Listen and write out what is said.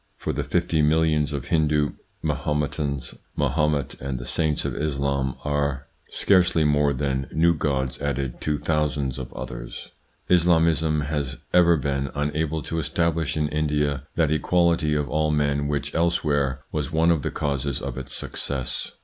For the fifty millions of Hindoo Mahometans, Mahomet and the saints of Islam are 88 THE PSYCHOLOGY OF PEOPLES: scarcely more than new gods added to thousands of others. Islamism has ever been unable to establish in India that equality of all men which elsewhere was one of the causes of its success.